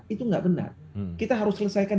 itu nggak benar kita harus selesaikan